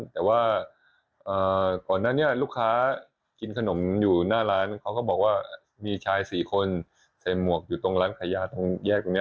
แต่ว่าก่อนนั้นเนี่ยลูกค้ากินขนมอยู่หน้าร้านเขาก็บอกว่ามีชาย๔คนใส่หมวกอยู่ตรงร้านขายยาตรงแยกตรงนี้